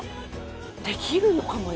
できるのかもよ。